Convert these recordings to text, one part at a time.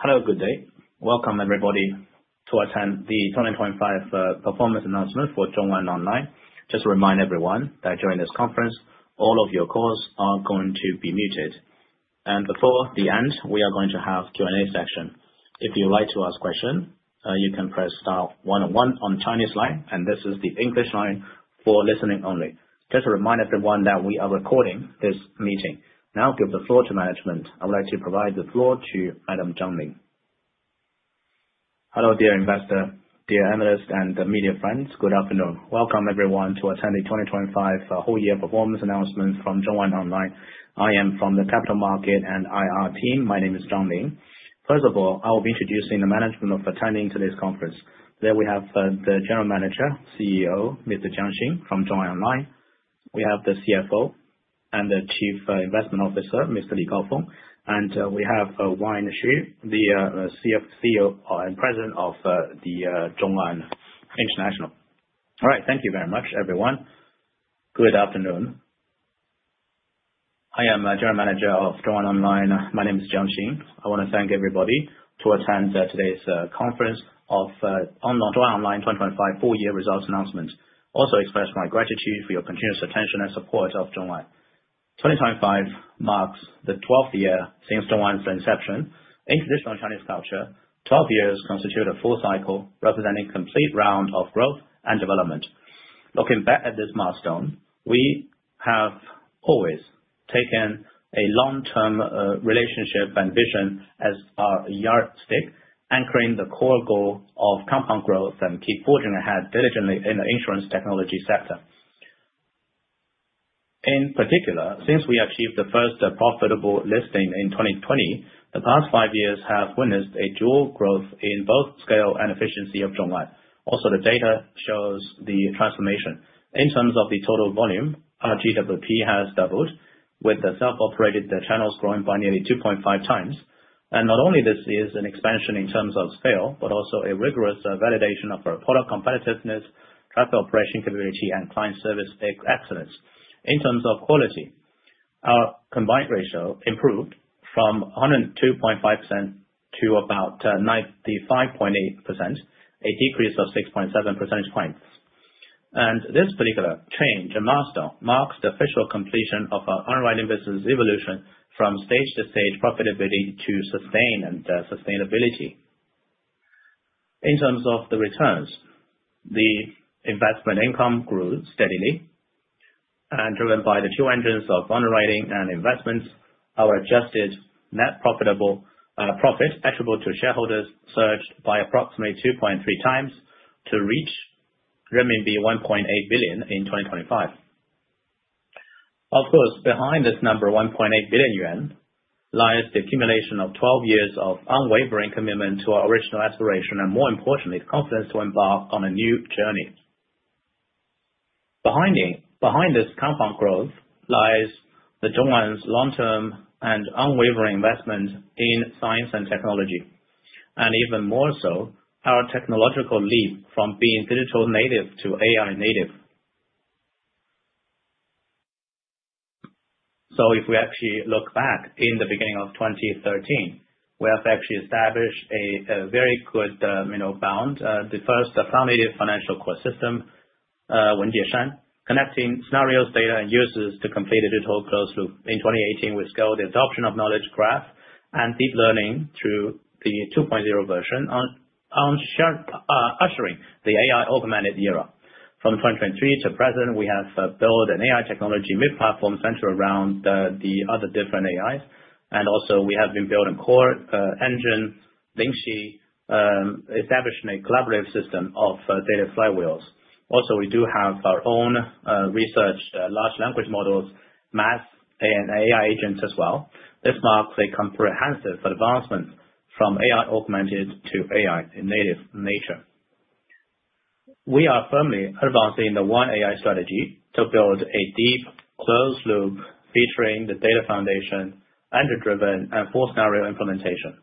Hello, good day. Welcome, everybody, to attend the 2025 performance announcement for ZhongAn Online. Just to remind everyone that during this conference, all of your calls are going to be muted. Before the end, we are going to have Q&A session. If you would like to ask question, you can press star one-one on Chinese line, and this is the English line for listening only. Just a reminder, everyone, that we are recording this meeting. Now give the floor to management. I would like to provide the floor to Adam Zhang Lin. Hello, dear investor, dear analyst, and media friends. Good afternoon. Welcome, everyone, to attend the 2025 whole year performance announcements from ZhongAn Online. I am from the capital market and IR team. My name is Zhang Lin. First of all, I'll be introducing the management of attending today's conference. Today we have the General Manager, CEO, Mr. Jiang Xing, from ZhongAn Online. We have the CFO and Chief Investment Officer, Mr. Li Gaofeng, and we have Wayne Xu, the CEO and President of the ZhongAn International. All right. Thank you very much, everyone. Good afternoon. I am General Manager of ZhongAn Online. My name is Jiang Xing. I want to thank everybody to attend today's conference of ZhongAn Online 2025 full year results announcement. Express my gratitude for your continuous attention and support of ZhongAn. 2025 marks the twelfth year since ZhongAn's inception. In traditional Chinese culture, 12 years constitute a full cycle representing complete round of growth and development. Looking back at this milestone, we have always taken a long-term relationship and vision as our yardstick, anchoring the core goal of compound growth and keep forging ahead diligently in the insurance technology sector. In particular, since we achieved the first profitable listing in 2020, the past five years have witnessed a dual growth in both scale and efficiency of ZhongAn. The data shows the transformation. In terms of the total volume, our GWP has doubled with the self-operated channels growing by nearly 2.5 times. Not only this is an expansion in terms of scale, but also a rigorous validation of our product competitiveness, traffic operation capability, and client service excellence. In terms of quality, our combined ratio improved from 102.5% to about 95.8%, a decrease of 6.7 percentage points. This particular change and milestone marks the official completion of our underwriting business evolution from stage to stage profitability to sustain and sustainability. In terms of the returns, the investment income grew steadily, and driven by the two engines of underwriting and investments, our adjusted net profit attributable to shareholders surged by approximately 2.3 times to reach renminbi 1.8 billion in 2025. Of course, behind this number, 1.8 billion yuan, lies the accumulation of 12 years of unwavering commitment to our original aspiration and more importantly, the confidence to embark on a new journey. Behind this compound growth lies the ZhongAn's long-term and unwavering investment in science and technology. Even more so, our technological leap from being digital native to AI native. If we actually look back in the beginning of 2013, we have actually established a very good bond. The first, a founded financial core system, Wujieshan, connecting scenarios, data, and users to complete a digital closed loop. In 2018, we scaled the adoption of knowledge graph and deep learning through the 2.0 version on ushering the AI augmented era. From 2023 to present, we have built an AI technology mid platform centered around the other different AIs. We have been building core engine, Lingxi, establishing a collaborative system of data flywheels. Also, we do have our own researched large language models, math, and AI agents as well. This marks a comprehensive advancement from AI-augmented to AI-native nature. We are firmly advancing the one AI strategy to build a deep closed loop featuring the data foundation and the driven and full scenario implementation.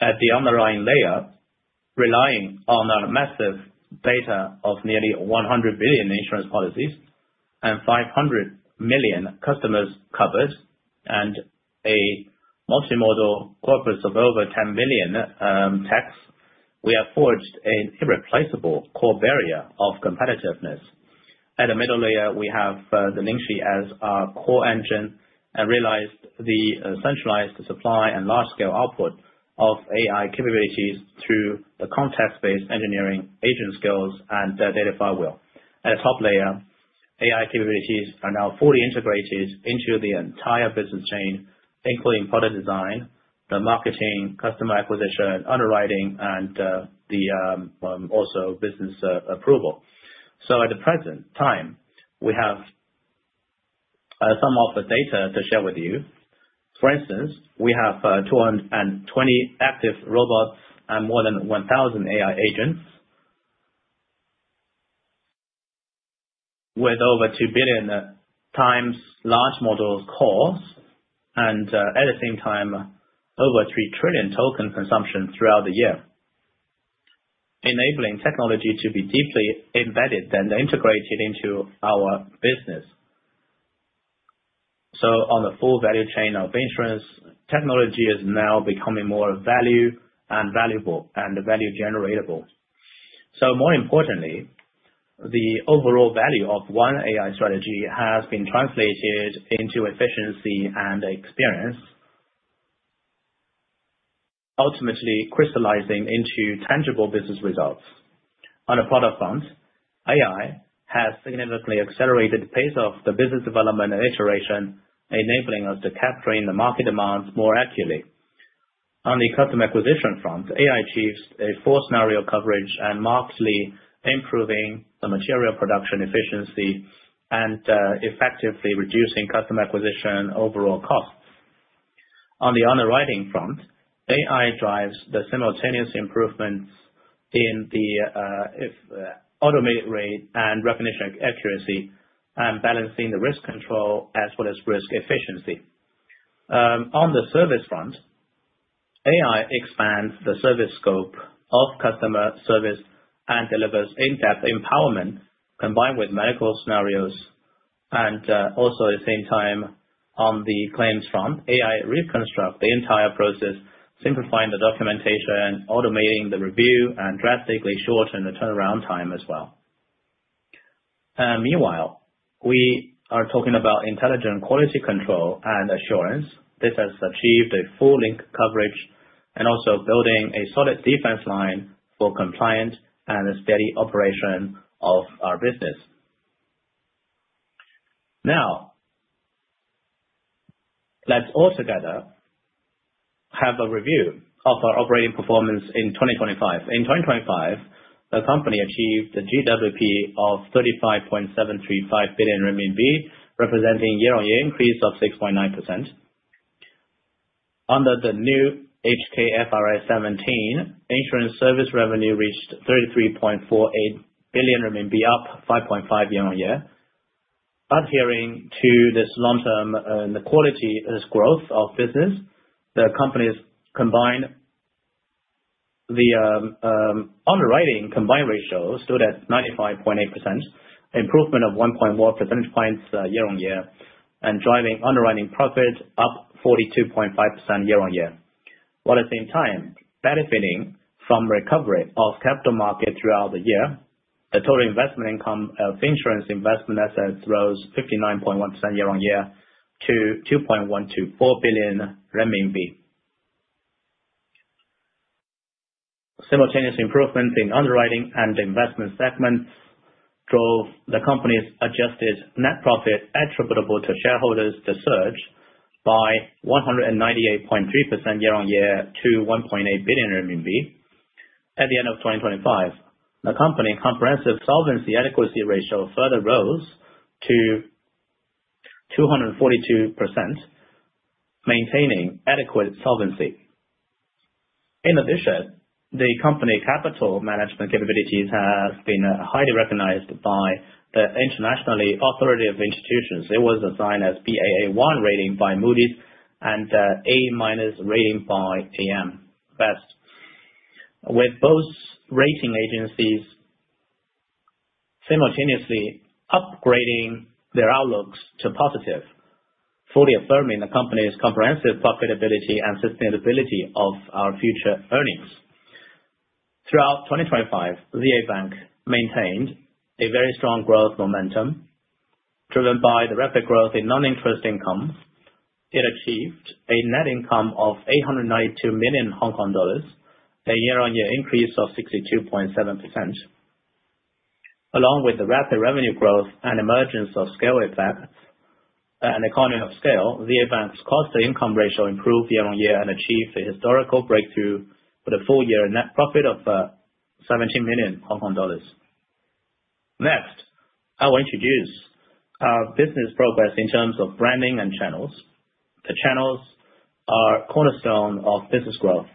At the underlying layer, relying on our massive data of nearly 100 billion insurance policies and 500 million customers covered, and a multimodal corpus of over 10 billion texts, we have forged a irreplaceable core barrier of competitiveness. At the middle layer, we have the Lingxi as our core engine and realized the centralized supply and large scale output of AI capabilities through the context-based engineering agent skills and data flywheel. At the top layer, AI capabilities are now fully integrated into the entire business chain, including product design, the marketing, customer acquisition, underwriting, and also business approval. At the present time, we have some of the data to share with you. For instance, we have 220 active robots and more than 1,000 AI agents with over 2 billion times large model calls, and at the same time, over 3 trillion token consumption throughout the year. Enabling technology to be deeply embedded and integrated into our business. On the full value chain of insurance, technology is now becoming more value and valuable and value generatable. More importantly, the overall value of one AI strategy has been translated into efficiency and experience, ultimately crystallizing into tangible business results. On a product front, AI has significantly accelerated the pace of the business development and iteration, enabling us to capturing the market demands more accurately. On the customer acquisition front, AI achieves a full scenario coverage and markedly improving the material production efficiency and effectively reducing customer acquisition overall costs. On the underwriting front, AI drives the simultaneous improvements in the automated rate and recognition accuracy and balancing the risk control as well as risk efficiency. On the service front, AI expands the service scope of customer service and delivers in-depth empowerment combined with medical scenarios. At the same time, on the claims front, AI reconstruct the entire process, simplifying the documentation, automating the review, and drastically shorten the turnaround time as well. Meanwhile, we are talking about intelligent quality control and assurance. This has achieved a full link coverage and also building a solid defense line for compliant and a steady operation of our business. Now, let's all together have a review of our operating performance in 2025. In 2025, the company achieved the GWP of 35.735 billion RMB, representing year-on-year increase of 6.9%. Under the new HKFRS 17, insurance service revenue reached 33.48 billion RMB, up 5.5% year-on-year. Adhering to this long-term and the quality as growth of business, the company's underwriting combined ratio stood at 95.8%, improvement of 1.0 more percentage points year-on-year, and driving underwriting profit up 42.5% year-on-year. While at the same time, benefiting from recovery of capital market throughout the year, the total investment income of insurance investment assets rose 59.1% year-on-year to RMB 2.124 billion. Simultaneous improvements in underwriting and investment segments drove the company's adjusted net profit attributable to shareholders to surge by 198.3% year-on-year to 1.8 billion RMB. At the end of 2025, the company comprehensive solvency adequacy ratio further rose to 242%, maintaining adequate solvency. In addition, the company capital management capabilities has been highly recognized by the internationally authoritative institutions. It was assigned a Baa1 rating by Moody's and A-minus rating by AM Best. With both rating agencies simultaneously upgrading their outlooks to positive, fully affirming the company's comprehensive profitability and sustainability of our future earnings. Throughout 2025, the ZA Bank maintained a very strong growth momentum driven by the rapid growth in non-interest income. It achieved a net income of 892 million Hong Kong dollars, a year-on-year increase of 62.7%. Along with the rapid revenue growth and emergence of scale effects and economy of scale, the advance cost-to-income ratio improved year-on-year and achieved a historical breakthrough with a full year net profit of 17 million Hong Kong dollars. Next, I'll introduce our business progress in terms of branding and channels. The channels are cornerstone of business growth,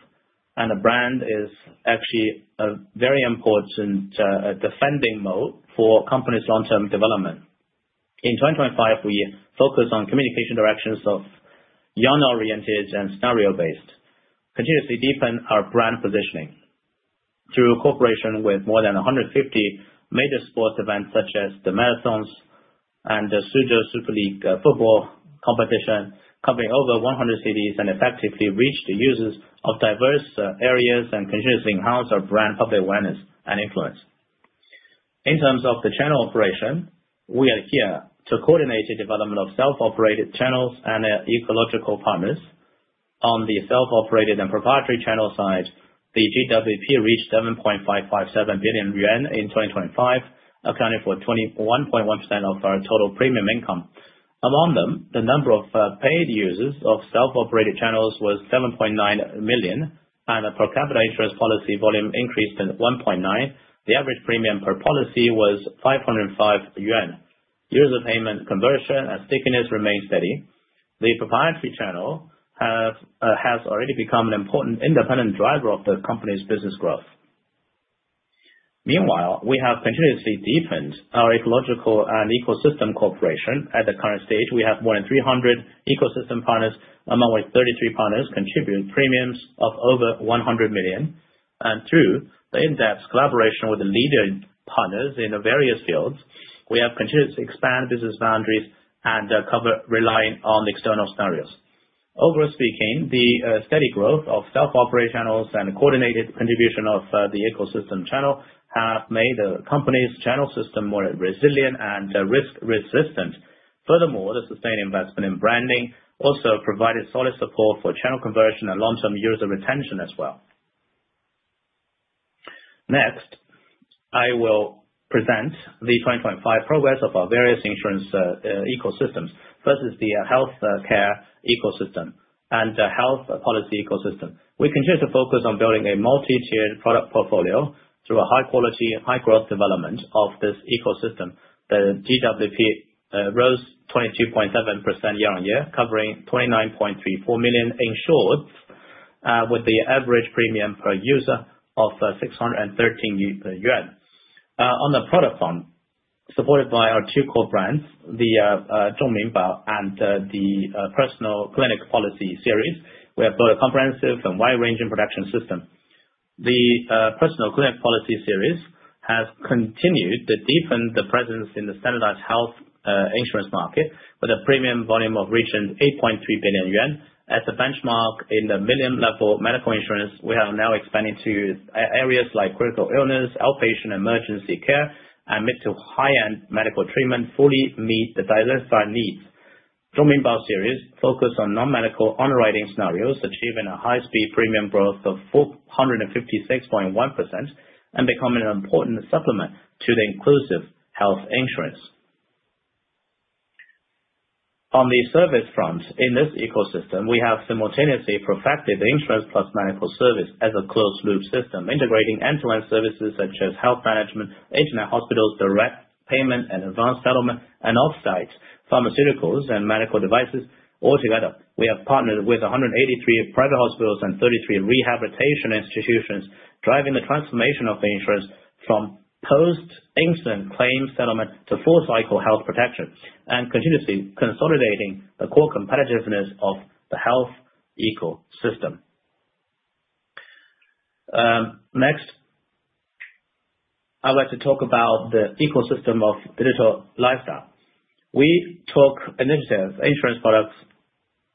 and the brand is actually a very important defending mode for company's long-term development. In 2025, we focused on communication directions of young oriented and scenario based, continuously deepen our brand positioning through cooperation with more than 150 major sports events such as the marathons and the Suzhou Super League football competition, covering over 100 cities and effectively reached the users of diverse areas and continuously enhance our brand public awareness and influence. In terms of the channel operation, we adhere to coordinated development of self-operated channels and ecological partners. On the self-operated and proprietary channel side, the GWP reached 7.557 billion yuan in 2025, accounting for 21.1% of our total premium income. Among them, the number of paid users of self-operated channels was 7.9 million, and the per capita insurance policy volume increased in 1.9. The average premium per policy was 505 yuan. User payment conversion and stickiness remain steady. The proprietary channel has already become an important independent driver of the company's business growth. Meanwhile, we have continuously deepened our ecological and ecosystem cooperation. At the current stage, we have more than 300 ecosystem partners, among which 33 partners contribute premiums of over 100 million. And through the in-depth collaboration with the leading partners in various fields, we have continued to expand business boundaries and cover relying on external scenarios. Overall speaking, the steady growth of self-operationals and coordinated contribution of the ecosystem channel have made the company's channel system more resilient and risk resistant. Furthermore, the sustained investment in branding also provided solid support for channel conversion and long-term user retention as well. Next, I will present the 2025 progress of our various insurance ecosystems. First is the healthcare ecosystem and health policy ecosystem. We continue to focus on building a multi-tiered product portfolio through a high-quality and high-growth development of this ecosystem. The GWP rose 22.7% year-on-year, covering 29.34 million insureds, with the average premium per user of 613 yuan. On the product front, supported by our two core brands, the ZhongMinBao and the Personal Clinic Policy series, we have built a comprehensive and wide-ranging production system. The Personal Clinic Policy series has continued to deepen the presence in the standardized health insurance market with a premium volume of 8.3 billion yuan. As a benchmark in the million-level medical insurance, we are now expanding to areas like critical illness, outpatient emergency care, and mid to high-end medical treatment, fully meet the diversified needs. ZhongMinBao series focus on non-medical underwriting scenarios, achieving a high-speed premium growth of 456.1% and becoming an important supplement to the inclusive health insurance. On the service front, in this ecosystem, we have simultaneously perfected insurance plus medical service as a closed loop system, integrating end-to-end services such as health management, internet hospitals, direct payment and advanced settlement, and off-site pharmaceuticals and medical devices all together. We have partnered with 183 private hospitals and 33 rehabilitation institutions, driving the transformation of the insurance from post-incident claims settlement to full cycle health protection, and continuously consolidating the core competitiveness of the health ecosystem. Next, I would like to talk about the ecosystem of digital lifestyle. We took initiative insurance products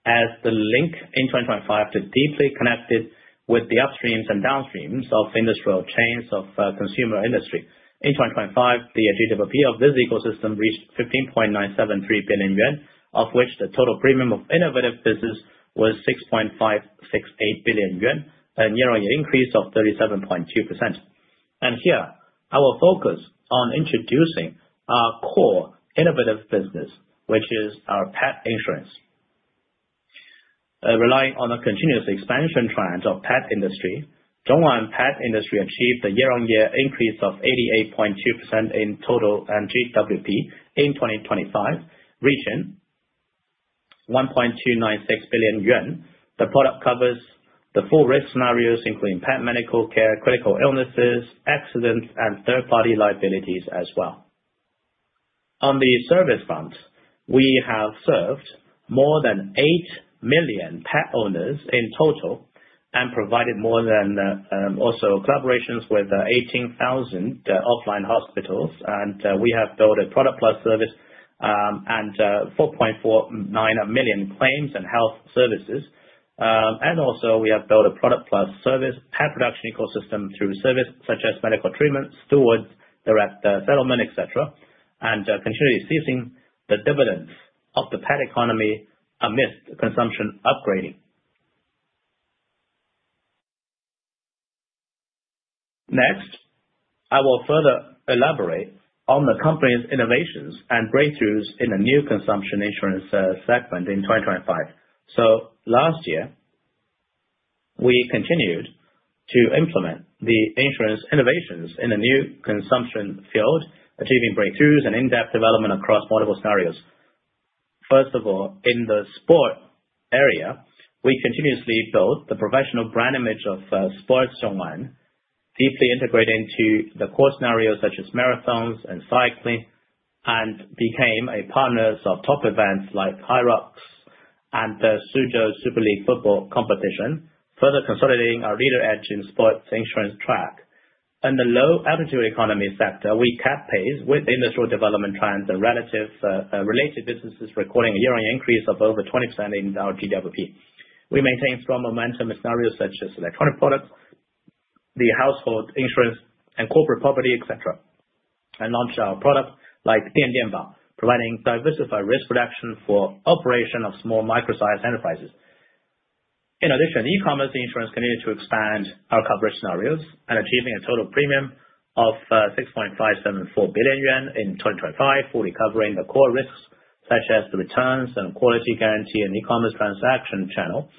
as the link in 2025 to deeply connect it with the upstreams and downstreams of industrial chains of consumer industry. In 2025, the GWP of this ecosystem reached 15.973 billion yuan, of which the total premium of innovative business was 6.568 billion yuan, a year-on-year increase of 37.2%. Here I will focus on introducing our core innovative business, which is our pet insurance. Relying on a continuous expansion trend of pet industry, ZhongAn pet industry achieved a year-on-year increase of 88.2% in total GWP in 2025, reaching 1.296 billion yuan. The product covers the full risk scenarios, including pet medical care, critical illnesses, accidents, and third party liabilities as well. On the service front, we have served more than 8 million pet owners in total and also collaborations with 18,000 offline hospitals. We have built a product plus service, and 4.49 million claims and health services. Also we have built a product plus service pet production ecosystem through service such as medical treatment, stewards, direct settlement, et cetera, and continuously seizing the dividends of the pet economy amidst consumption upgrading. Next, I will further elaborate on the company's innovations and breakthroughs in the new consumption insurance segment in 2025. Last year, we continued to implement the insurance innovations in the new consumption field, achieving breakthroughs and in-depth development across multiple scenarios. First of all, in the sport area, we continuously built the professional brand image of Sports ZhongAn, deeply integrating to the core scenarios such as marathons and cycling, and became a partners of top events like HYROX and Suzhou Super League Football Competition, further consolidating our leading edge in sports insurance track. In the low-altitude economy sector, we kept pace with industrial development trends and related businesses recording a year-on-year increase of over 20% in our GWP. We maintain strong momentum in scenarios such as electronic products, the household insurance and corporate property, et cetera, and launched our product like Diandianbao, providing diversified risk reduction for operation of small and micro-sized enterprises. In addition, e-commerce insurance continued to expand our coverage scenarios, achieving a total premium of 6.574 billion yuan in 2025, fully covering the core risks such as the returns and quality guarantee and e-commerce transaction channel.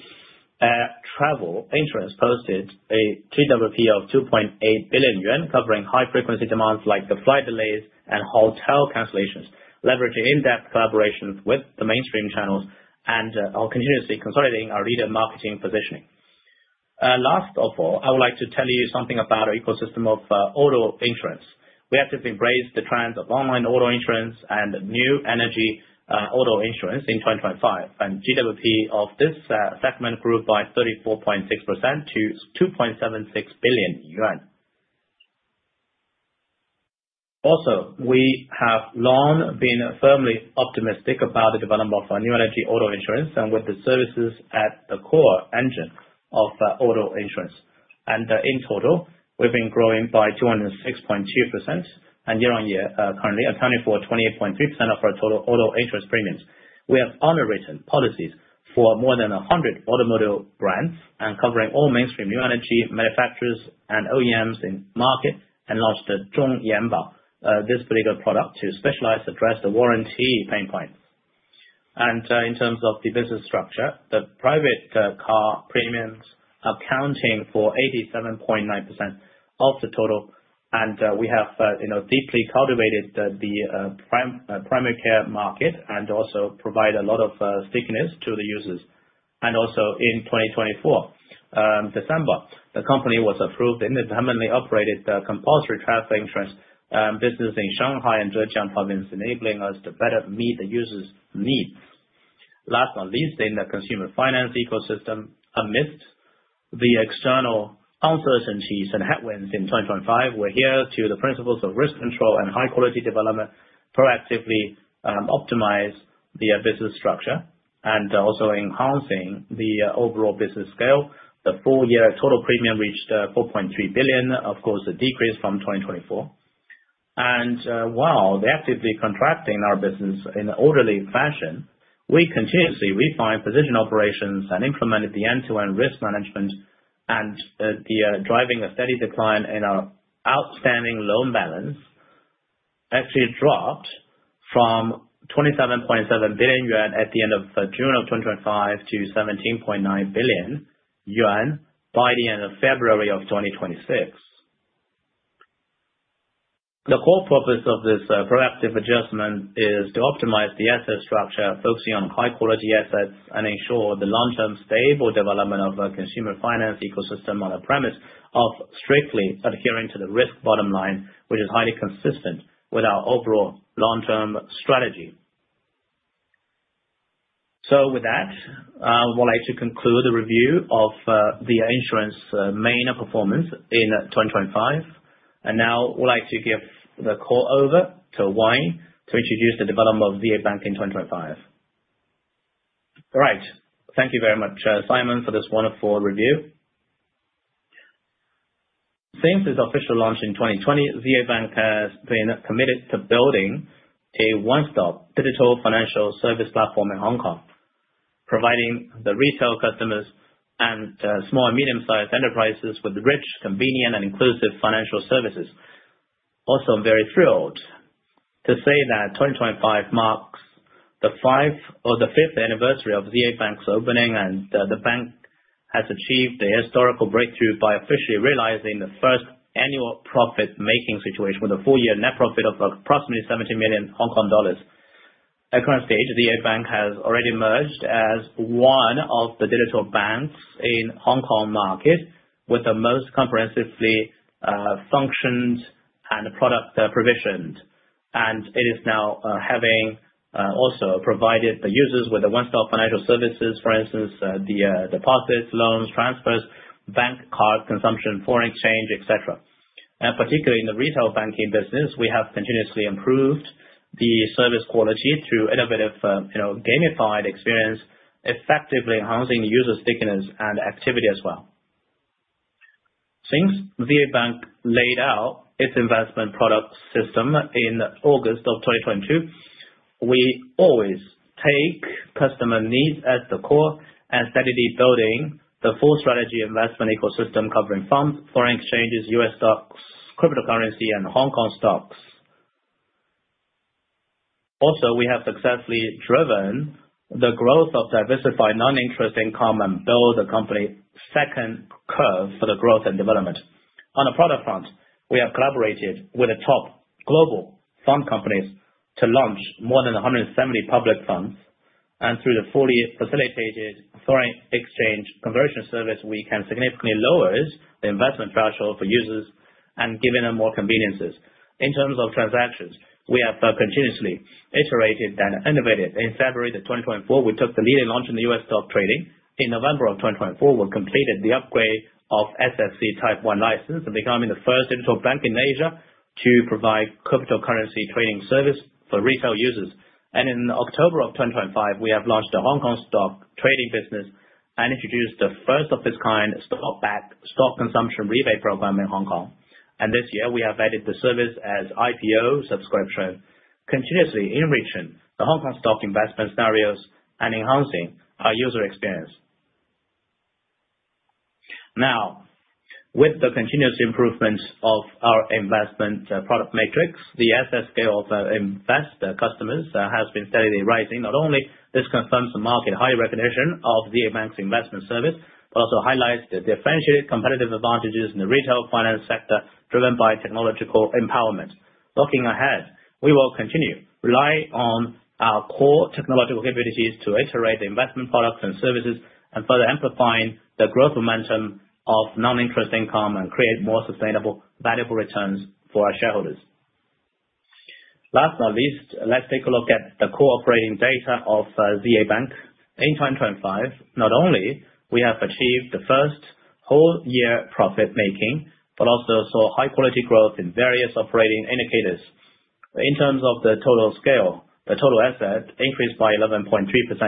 Air travel insurance posted a GWP of 2.8 billion yuan, covering high frequency demands like the flight delays and hotel cancellations, leveraging in-depth collaborations with the mainstream channels and are continuously consolidating our leader marketing positioning. Last of all, I would like to tell you something about our ecosystem of auto insurance. We actively embraced the trends of online auto insurance and new energy auto insurance in 2025, and GWP of this segment grew by 34.6% to CNY 2.76 billion. Also, we have long been firmly optimistic about the development of our new energy auto insurance and with the services at the core engine of auto insurance. In total, we've been growing by 206.2% year-on-year, currently accounting for 28.3% of our total auto insurance premiums. We have underwritten policies for more than 100 automotive brands and covering all mainstream new energy manufacturers and OEMs in market, and launched the ZhongYanBao, this particular product to specialize address the warranty pain point. In terms of the business structure, the private car premiums accounting for 87.9% of the total. We have deeply cultivated the private car market and also provide a lot of stickiness to the users. In December 2024, the company was approved and independently operated the compulsory traffic insurance business in Shanghai and Zhejiang Province, enabling us to better meet the user's needs. Last but not least, in the consumer finance ecosystem, amidst the external uncertainties and headwinds in 2025, we adhere to the principles of risk control and high quality development, proactively optimize the business structure and also enhancing the overall business scale. The full year total premium reached 4.3 billion, of course, a decrease from 2024. While we actively contracting our business in an orderly fashion, we continuously refine position operations and implemented the end-to-end risk management, driving a steady decline in our outstanding loan balance, actually dropped from 27.7 billion yuan at the end of June 2025 to 17.9 billion yuan by the end of February 2026. The core purpose of this proactive adjustment is to optimize the asset structure, focusing on high quality assets and ensure the long-term stable development of our consumer finance ecosystem on a premise of strictly adhering to the risk bottom line, which is highly consistent with our overall long-term strategy. With that, I would like to conclude the review of the insurance main performance in 2025. Now I would like to give the call over to Wayne to introduce the development of ZA Bank in 2025. All right. Thank you very much, Jiang, for this wonderful review. Since its official launch in 2020, ZA Bank has been committed to building a one-stop digital financial service platform in Hong Kong, providing the retail customers and small and medium-sized enterprises with rich, convenient, and inclusive financial services. I'm very thrilled to say that 2025 marks the fifth anniversary of ZA Bank's opening and the bank has achieved a historical breakthrough by officially realizing the first annual profit-making situation with a full year net profit of approximately 17 million Hong Kong dollars. At current stage, ZA Bank has already emerged as one of the digital banks in Hong Kong market with the most comprehensively functioned and product provisioned. It is now having also provided the users with a one-stop financial services. For instance, the deposits, loans, transfers, bank card consumption, foreign exchange, et cetera. Particularly in the retail banking business, we have continuously improved the service quality through innovative gamified experience, effectively enhancing user stickiness and activity as well. Since ZA Bank laid out its investment product system in August 2022, we always take customer needs at the core and steadily building the full strategy investment ecosystem covering funds, foreign exchanges, U.S. stocks, cryptocurrency, and Hong Kong stocks. We have successfully driven the growth of diversified non-interest income and build the company second curve for the growth and development. On the product front, we have collaborated with the top global fund companies to launch more than 170 public funds. Through the fully facilitated foreign exchange conversion service, we can significantly lowers the investment threshold for users and giving them more conveniences. In terms of transactions, we have continuously iterated and innovated. In February 2024, we took the lead in launching the U.S. stock trading. In November 2024, we completed the upgrade of SFC Type 1 license and becoming the first digital bank in Asia to provide cryptocurrency trading service for retail users. In October 2025, we have launched a Hong Kong stock trading business and introduced the first of its kind StockBack, stock consumption rebate program in Hong Kong. This year we have added the service as IPO subscription, continuously enriching the Hong Kong stock investment scenarios and enhancing our user experience. With the continuous improvements of our investment product matrix, the asset scale of invest customers has been steadily rising. Not only this confirms the market high recognition of ZA Bank's investment service, but also highlights the differentiated competitive advantages in the retail finance sector driven by technological empowerment. Looking ahead, we will continue rely on our core technological capabilities to iterate the investment products and services and further amplifying the growth momentum of non-interest income and create more sustainable valuable returns for our shareholders. Last but not least, let's take a look at the core operating data of ZA Bank. In 2025, not only we have achieved the first whole year profit-making, but also saw high-quality growth in various operating indicators. In terms of the total scale, the total asset increased by 11.3%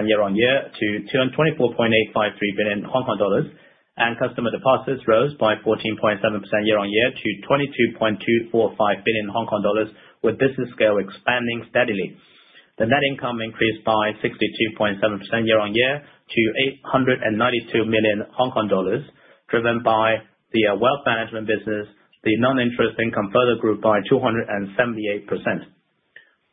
year-on-year to 224.853 billion Hong Kong dollars, and customer deposits rose by 14.7% year-on-year to 22.245 billion Hong Kong dollars, with business scale expanding steadily. The net income increased by 62.7% year-on-year to 892 million Hong Kong dollars, driven by the wealth management business. The non-interest income further grew by 278%.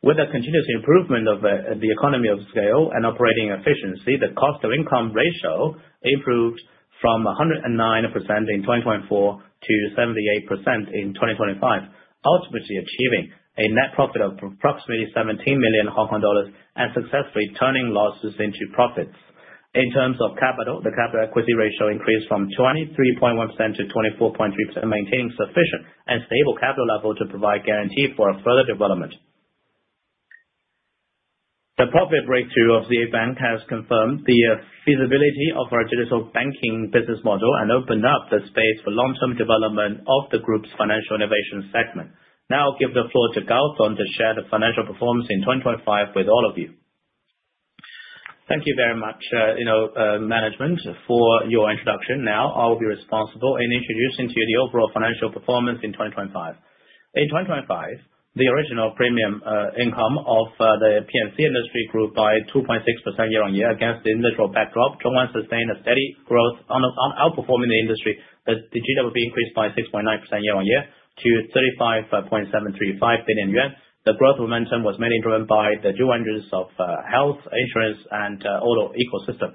With a continuous improvement of the economy of scale and operating efficiency, the cost-to-income ratio improved from 109% in 2024 to 78% in 2025, ultimately achieving a net profit of approximately 17 million Hong Kong dollars and successfully turning losses into profits. In terms of capital, the capital equity ratio increased from 23.1% to 24.3%, maintaining sufficient and stable capital level to provide guarantee for our further development. The profit breakthrough of ZA Bank has confirmed the feasibility of our digital banking business model and opened up the space for long-term development of the group's financial innovation segment. Now I'll give the floor to Gaofeng to share the financial performance in 2025 with all of you. Thank you very much, management, for your introduction. Now I will be responsible in introducing to you the overall financial performance in 2025. In 2025, the original premium income of the P&C industry grew by 2.6% year-on-year against the individual backdrop. ZhongAn sustained a steady growth on outperforming the industry. The GWP increased by 6.9% year-on-year to 35.735 billion yuan. The growth momentum was mainly driven by the dual engines of health insurance and auto ecosystem.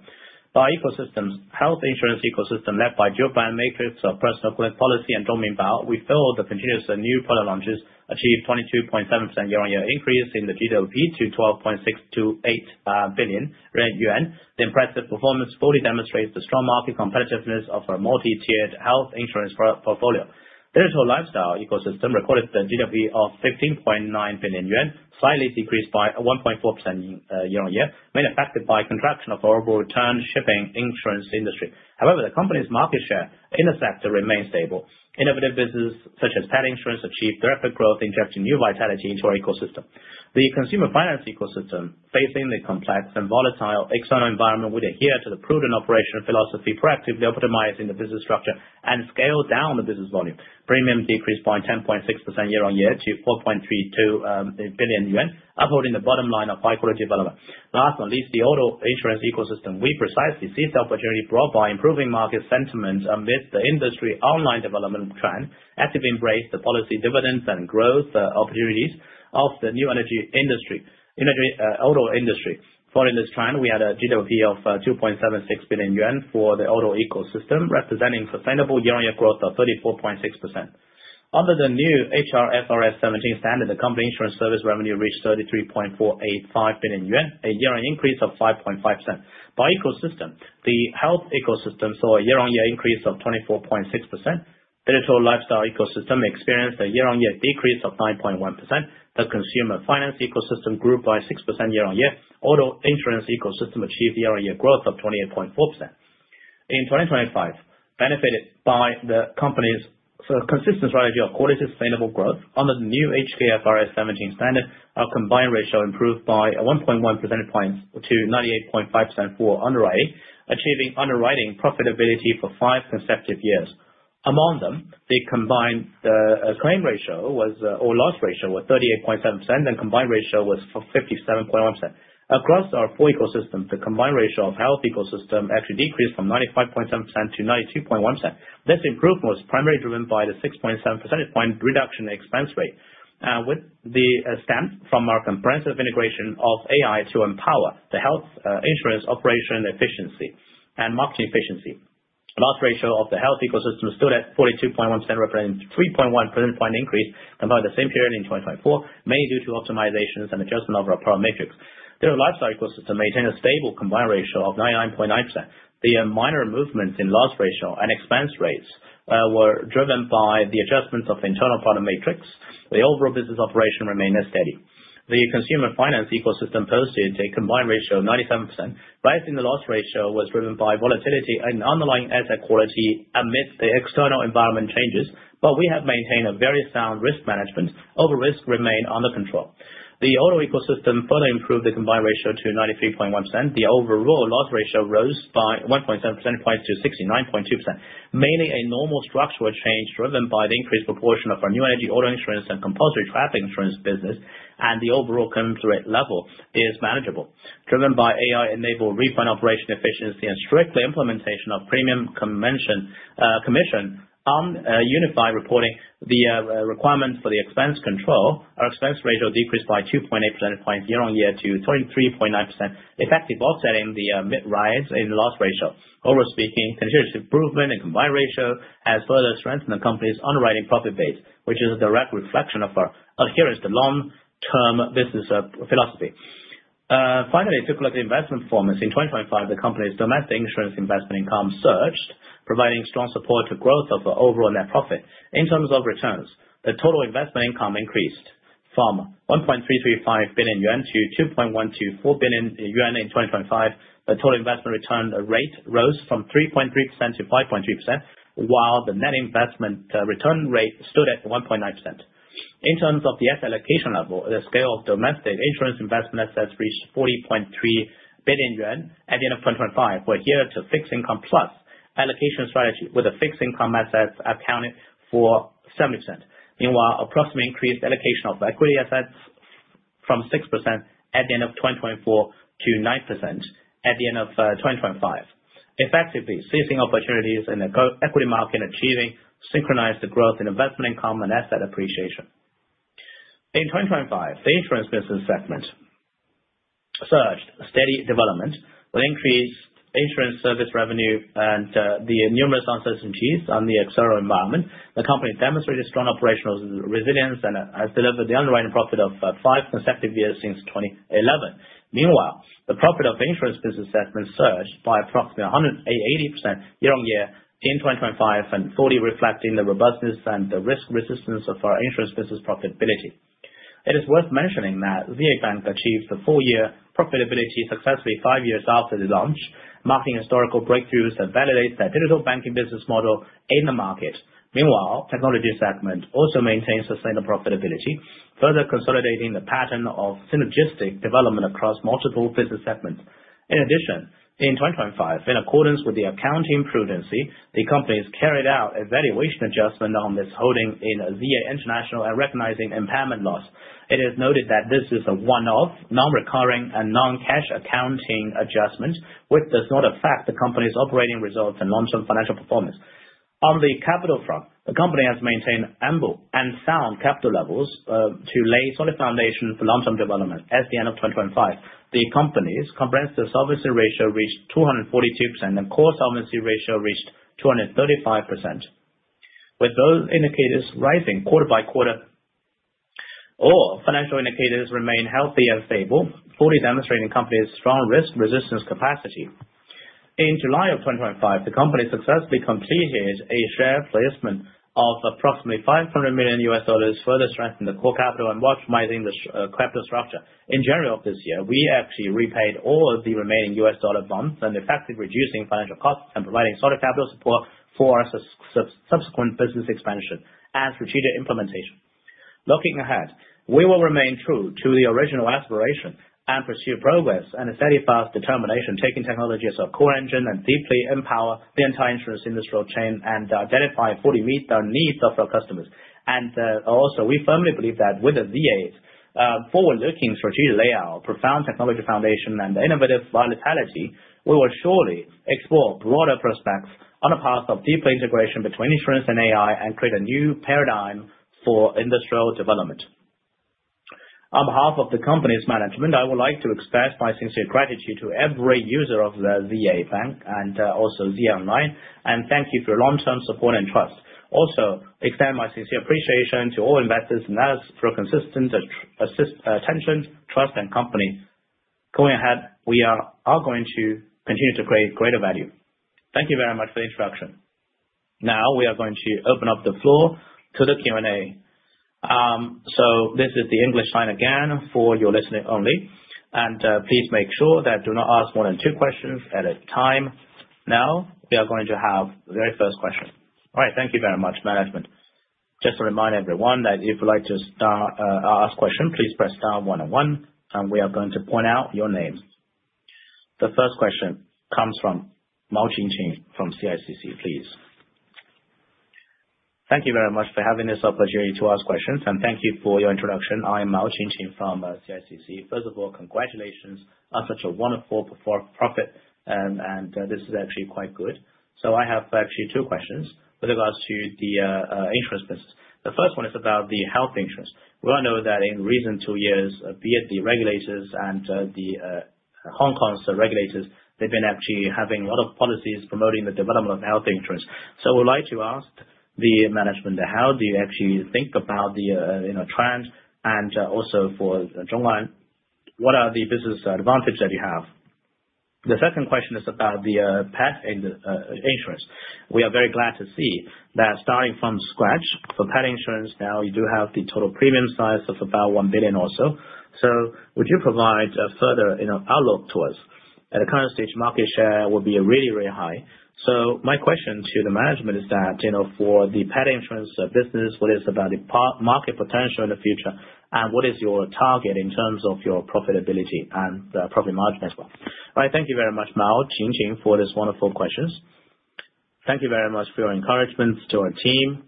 By ecosystems, health insurance ecosystem, led by Jiubai matrix of Personal Clinic Policy and Zhongminbao, we filled the continuous and new product launches, achieved 22.7% year-on-year increase in the GWP to 12.628 billion yuan. The impressive performance fully demonstrates the strong market competitiveness of our multi-tiered health insurance portfolio. Digital Lifestyle Ecosystem recorded the GWP of 15.9 billion yuan, slightly decreased by 1.4% year-on-year, mainly affected by contraction of our return shipping insurance industry. However, the company's market share in the sector remains stable. Innovative business such as pet insurance achieved rapid growth, injecting new vitality into our ecosystem. The Consumer Finance Ecosystem, facing the complex and volatile external environment, would adhere to the prudent operation philosophy, proactively optimizing the business structure and scale down the business volume. Premium decreased by 10.6% year-on-year to 4.32 billion yuan, upholding the bottom line of high-quality development. Last but not least, the Auto Insurance Ecosystem. We precisely seized the opportunity brought by improving market sentiment amidst the industry online development trend, actively embraced the policy dividends and growth opportunities of the new energy auto industry. Following this trend, we had a GWP of 2.76 billion yuan for the auto ecosystem, representing sustainable year-on-year growth of 34.6%. Under the new HKFRS 17 standard, the company insurance service revenue reached 33.485 billion yuan, a year-on-year increase of 5.5%. By ecosystem, the Health Ecosystem saw a year-on-year increase of 24.6%. Digital Lifestyle Ecosystem experienced a year-on-year decrease of 9.1%. The Consumer Finance Ecosystem grew by 6% year-on-year. Auto Insurance Ecosystem achieved year-on-year growth of 28.4%. In 2025, benefited by the company's consistent strategy of quality sustainable growth under the new HKFRS 17 standard, our combined ratio improved by 1.1 percentage points to 98.5% for underwriting, achieving underwriting profitability for five consecutive years. Among them, the claim ratio or loss ratio was 38.7%, and combined ratio was 57.1%. Across our four ecosystems, the combined ratio of Health Ecosystem actually decreased from 95.7% to 92.1%. This improvement was primarily driven by the 6.7% point reduction in expense rate. With the stamp from our comprehensive integration of AI to empower the health insurance operation efficiency and market efficiency. Loss ratio of the health ecosystem stood at 42.1%, representing 3.1 percentage point increase compared to the same period in 2024, mainly due to optimizations and adjustment of our parameter matrix. Digital lifestyle ecosystem maintain a stable combined ratio of 99.9%. The minor movements in loss ratio and expense rates were driven by the adjustments of internal parameter matrix. The overall business operation remained steady. The consumer finance ecosystem posted a combined ratio of 97%, rising. The loss ratio was driven by volatility and underlying asset quality amidst the external environment changes. We have maintained a very sound risk management. Our risk remain under control. The auto ecosystem further improved the combined ratio to 93.1%. The overall loss ratio rose by 1.7 percentage points to 69.2%, mainly a normal structural change driven by the increased proportion of our new energy auto insurance and Compulsory Traffic Insurance business. The overall claim rate level is manageable. Driven by AI-enabled refund operation efficiency and strictly implementation of premium commission on unified reporting the requirements for the expense control, our expense ratio decreased by 2.8 percentage points year-on-year to 23.9%, effectively offsetting the modest rise in loss ratio. Overall speaking, continuous improvement in combined ratio has further strengthened the company's underwriting profit base, which is a direct reflection of our adherence to long-term business philosophy. Finally, to look at the investment performance. In 2025, the company's domestic insurance investment income surged, providing strong support to growth of the overall net profit. In terms of returns, the total investment income increased from 1.335 billion yuan to 2.124 billion yuan in 2025. The total investment return rate rose from 3.3% to 5.3%, while the net investment return rate stood at 1.9%. In terms of the asset allocation level, the scale of domestic insurance investment assets reached 40.3 billion yuan at the end of 2025, where here it's a fixed income plus allocation strategy, with the fixed income assets accounting for 70%. Meanwhile, approximately increased allocation of equity assets from 6% at the end of 2024 to 9% at the end of 2025. Effectively seizing opportunities in the equity market and achieving synchronized growth in investment income and asset appreciation. In 2025, the insurance business segment surged. Steady development will increase insurance service revenue and the numerous uncertainties on the external environment. The company demonstrated strong operational resilience and has delivered the underwriting profit of five consecutive years since 2011. Meanwhile, the profit of the insurance business segment surged by approximately 180% year-on-year in 2025, fully reflecting the robustness and the risk resistance of our insurance business profitability. It is worth mentioning that ZA Bank achieved the full-year profitability successfully five years after the launch, marking historical breakthroughs that validates the digital banking business model in the market. Meanwhile, technology segment also maintains sustainable profitability, further consolidating the pattern of synergistic development across multiple business segments. In addition, in 2025, in accordance with the accounting prudence, the company's carried out a valuation adjustment on this holding in ZA International and recognizing impairment loss. It is noted that this is a one-off, non-recurring, and non-cash accounting adjustment, which does not affect the company's operating results and long-term financial performance. On the capital front, the company has maintained ample and sound capital levels to lay solid foundation for long-term development. At the end of 2025, the company's comprehensive solvency ratio reached 242%, and core solvency ratio reached 235%. With those indicators rising quarter by quarter, all financial indicators remain healthy and stable, fully demonstrating company's strong risk resistance capacity. In July of 2025, the company successfully completed a share placement of approximately RMB 500 million, further strengthening the core capital and optimizing the capital structure. In January of this year, we actually repaid all of the remaining U.S. dollar bonds and effectively reducing financial costs and providing solid capital support for subsequent business expansion and strategic implementation. Looking ahead, we will remain true to the original aspiration and pursue progress and a very fast determination, taking technology as our core engine and deeply empower the entire insurance industrial chain and identify and fully meet the needs of our customers. We firmly believe that with the ZA's forward-looking strategic layout, profound technology foundation, and innovative vitality, we will surely explore broader prospects on a path of deeper integration between insurance and AI, and create a new paradigm for industrial development. On behalf of the company's management, I would like to express my sincere gratitude to every user of the ZA Bank and also ZhongAn Online, and thank you for your long-term support and trust. Extend my sincere appreciation to all investors and analysts for consistent attention, trust and company. Going ahead, we are going to continue to create greater value. Thank you very much for the introduction. We are going to open up the floor to the Q&A. This is the English line again for your listening only. Please make sure that do not ask more than two questions at a time. We are going to have the very first question. All right. Thank you very much, management. Just to remind everyone that if you would like to ask a question, please press star one and one, and we are going to point out your name. The first question comes from Mao Ching-ching from CICC, please. Thank you very much for having this opportunity to ask questions, and thank you for your introduction. I am Mao Ching-ching from CICC. First of all, congratulations on such a wonderful profit, and this is actually quite good. I have actually two questions with regards to the insurance business. The first one is about the health insurance. We all know that in recent two years, be it the regulators and the Hong Kong's regulators, they've been actually having a lot of policies promoting the development of health insurance. I would like to ask the management, how do you actually think about the trend? For ZhongAn, what are the business advantage that you have? The second question is about the pet insurance. We are very glad to see that starting from scratch for pet insurance, now you do have the total premium size of about 1 billion or so. Would you provide a further outlook to us? At the current stage, market share will be really, really high. My question to the management is that, for the pet insurance business, what is about the market potential in the future, and what is your target in terms of your profitability and profit margin as well? All right. Thank you very much, Mao Ching-ching, for these wonderful questions. Thank you very much for your encouragement to our team,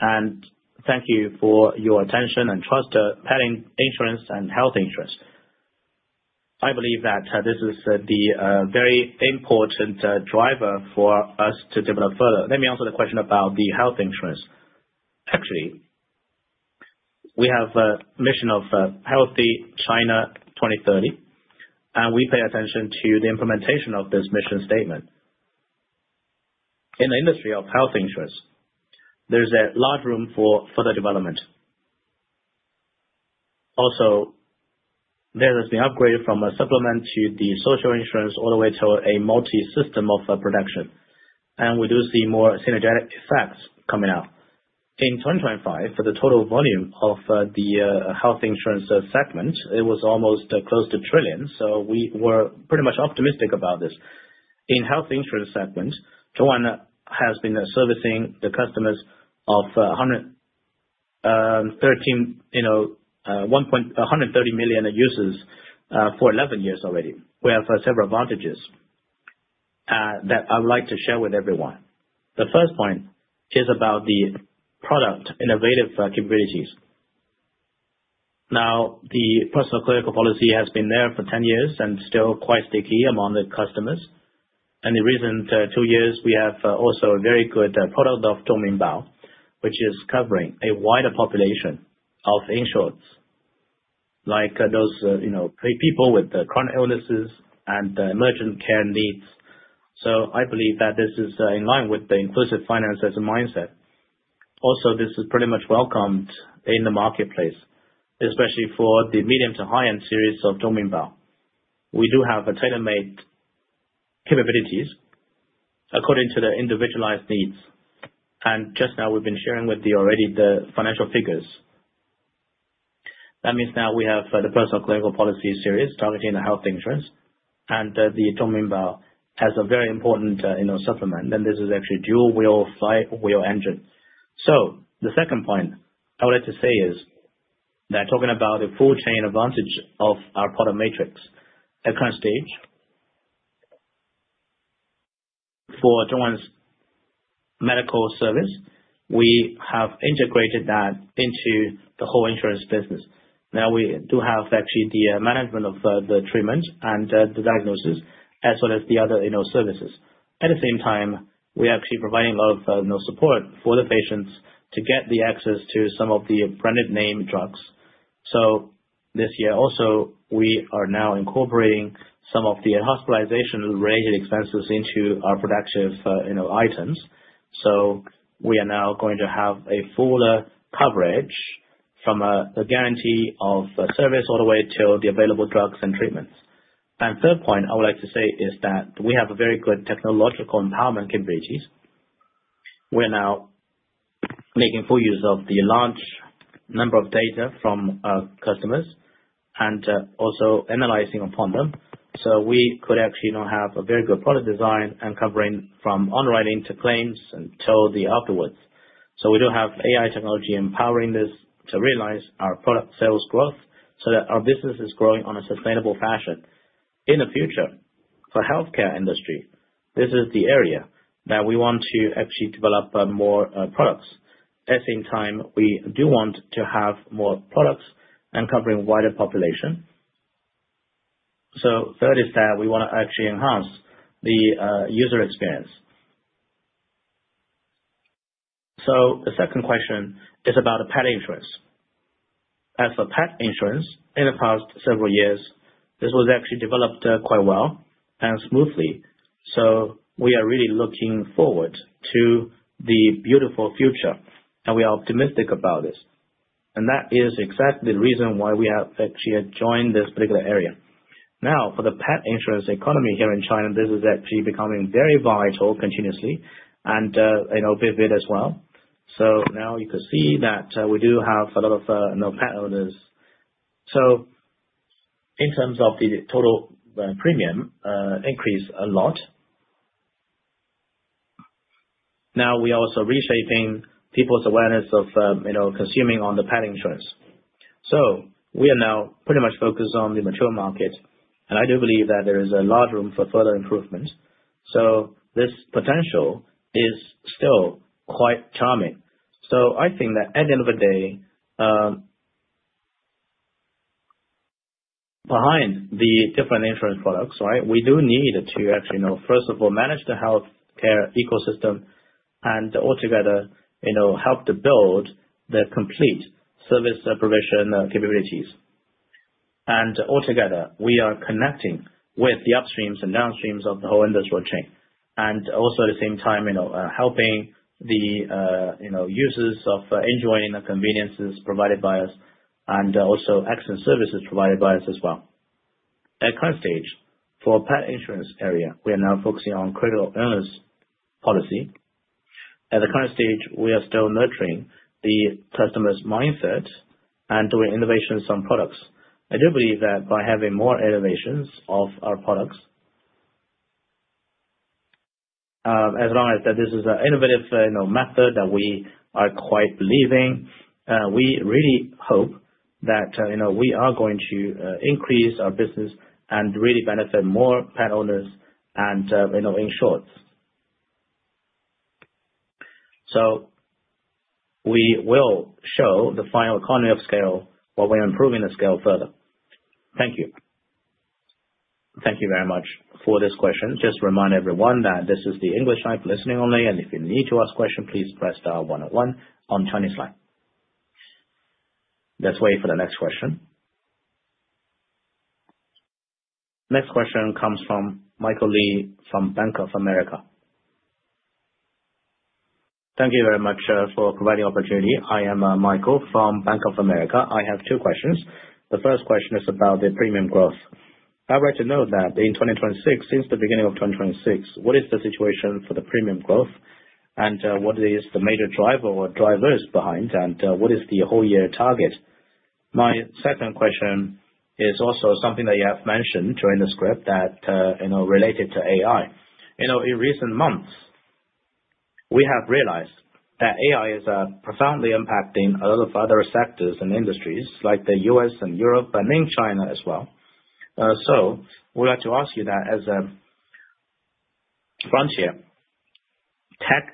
and thank you for your attention and trust to pet insurance and health insurance. I believe that this is the very important driver for us to develop further. Let me answer the question about the health insurance. Actually, we have a mission of Healthy China 2030, and we pay attention to the implementation of this mission statement. In the industry of health insurance, there is a large room for further development. Also, there is the upgrade from a supplement to the social insurance, all the way to a multi-system of production. We do see more synergetic effects coming out. In 2025, for the total volume of the health insurance segment, it was almost close to trillions. We were pretty much optimistic about this. In health insurance segment, ZhongAn has been servicing the customers of 130 million users for 11 years already. We have several advantages that I would like to share with everyone. The first point is about the product innovative capabilities. Now, the Personal Clinic Policy has been there for 10 years and still quite sticky among the customers. In the recent two years, we have also very good product of ZhongMin Bao, which is covering a wider population of insurance. Like those people with chronic illnesses and emergent care needs. I believe that this is in line with the inclusive finance as a mindset. This is pretty much welcomed in the marketplace, especially for the medium to high-end series of ZhongMin Bao. We do have tailor-made capabilities according to their individualized needs. Just now we've been sharing with you already the financial figures. That means now we have the Personal Clinic Policy series targeting the health insurance, and the ZhongMin Bao has a very important supplement, and this is actually dual flywheel engine. The second point I wanted to say is that talking about the full chain advantage of our product matrix. At current stage, for ZhongAn's medical service, we have integrated that into the whole insurance business. Now we do have actually the management of the treatment and the diagnosis as well as the other in-house services. At the same time, we are actually providing a lot of support for the patients to get the access to some of the branded name drugs. This year also, we are now incorporating some of the hospitalization-related expenses into our productive items. We are now going to have a fuller coverage from a guarantee of service all the way till the available drugs and treatments. Third point I would like to say is that we have a very good technological empowerment capabilities. We're now making full use of the large number of data from our customers and also analyzing upon them. We could actually now have a very good product design and covering from underwriting to claims and till the afterwards. We do have AI technology empowering this to realize our product sales growth so that our business is growing on a sustainable fashion. In the future for healthcare industry, this is the area that we want to actually develop more products. At the same time, we do want to have more products and covering wider population. Third is that we want to actually enhance the user experience. The second question is about pet insurance. As for pet insurance in the past several years, this was actually developed quite well and smoothly. We are really looking forward to the beautiful future, and we are optimistic about this. And that is exactly the reason why we have actually joined this particular area. For the pet insurance economy here in China, this is actually becoming very vital continuously and vivid as well. You can see that we do have a lot of pet owners. In terms of the total premium increase a lot. We are also reshaping people's awareness of consuming on the pet insurance. We are now pretty much focused on the mature market, and I do believe that there is a large room for further improvements. This potential is still quite charming. I think that at the end of the day, behind the different insurance products, we do need to actually, first of all, manage the healthcare ecosystem and altogether help to build the complete service provision capabilities. And altogether, we are connecting with the upstreams and downstreams of the whole industrial chain, and also at the same time helping the users of enjoying the conveniences provided by us and also excellent services provided by us as well. At current stage, for pet insurance area, we are now focusing on critical illness policy. At the current stage, we are still nurturing the customer's mindset and doing innovation on some products. I do believe that by having more innovations of our products, as long as that this is an innovative method that we are quite believing, we really hope that we are going to increase our business and really benefit more pet owners and insureds. We will show the final economy of scale while we're improving the scale further. Thank you. Thank you very much for this question. Just remind everyone that this is the English line for listening only, and if you need to ask a question, please press star 101 on Chinese line. Let's wait for the next question. Next question comes from Michael Li from Bank of America. Thank you very much for providing the opportunity. I am Michael from Bank of America. I have two questions. The first question is about the premium growth. I'd like to know that in 2026, since the beginning of 2026, what is the situation for the premium growth? What is the major driver or drivers behind, and what is the whole year target? My second question is also something that you have mentioned during the script that related to AI. In recent months, we have realized that AI is profoundly impacting a lot of other sectors and industries like the U.S. and Europe, and in China as well. We'd like to ask you that as a frontier tech,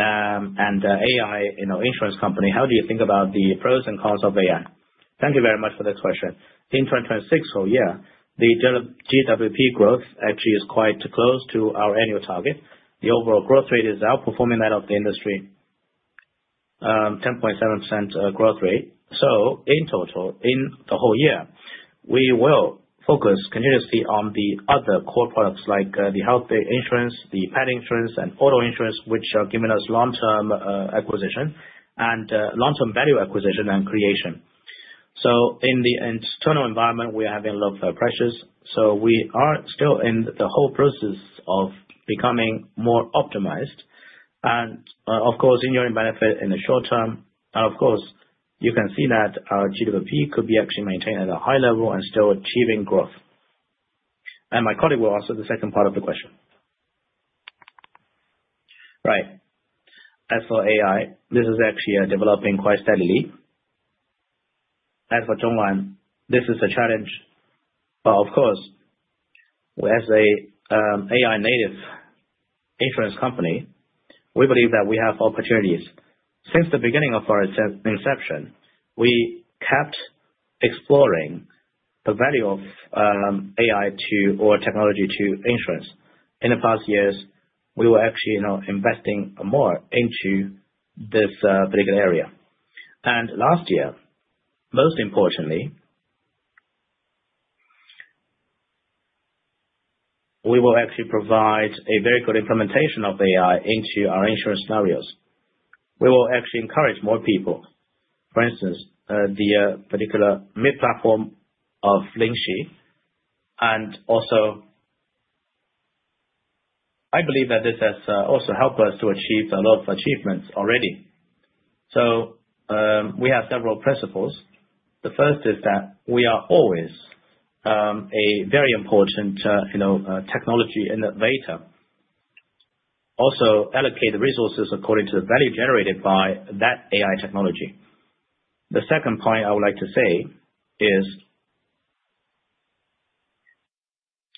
and AI insurance company, how do you think about the pros and cons of AI? Thank you very much for that question. In 2026 whole year, the GWP growth actually is quite close to our annual target. The overall growth rate is outperforming that of the industry, 10.7% growth rate. In total, in the whole year, we will focus continuously on the other core products like the health insurance, the pet insurance, and auto insurance, which are giving us long-term acquisition and long-term value acquisition and creation. In the external environment, we are having a lot of pressures. We are still in the whole process of becoming more optimized. Of course, enduring benefit in the short term. Of course, you can see that our GWP could be actually maintained at a high level and still achieving growth. My colleague will answer the second part of the question. Right. As for AI, this is actually developing quite steadily. As for ZhongAn, this is a challenge, but of course, as an AI native insurance company, we believe that we have opportunities. Since the beginning of our inception, we kept exploring the value of AI to, or technology to insurance. In the past years, we were actually now investing more into this particular area. Last year, most importantly, we will actually provide a very good implementation of AI into our insurance scenarios. We will actually encourage more people, for instance, the particular mid-platform of Lingxi. Also, I believe that this has also helped us to achieve a lot of achievements already. We have several principles. The first is that we are always a very important technology innovator, also allocate the resources according to the value generated by that AI technology. The second point I would like to say is,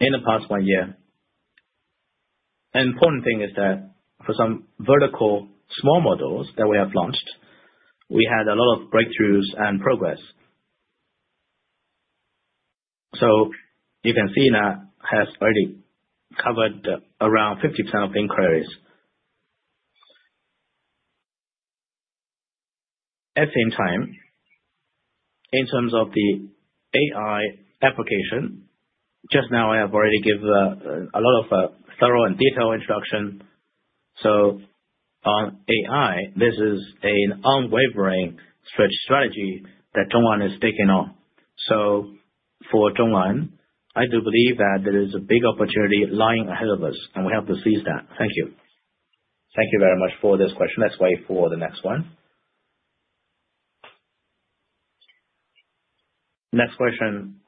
in the past one year, an important thing is that for some vertical small models that we have launched, we had a lot of breakthroughs and progress. You can see now has already covered around 50% of inquiries. At the same time, in terms of the AI application, just now I have already given a lot of thorough and detailed introduction. On AI, this is an unwavering strategy that ZhongAn is taking on. For ZhongAn, I do believe that there is a big opportunity lying ahead of us, and we have to seize that. Thank you. Thank you very much for this question. Let's wait for the next one. Next question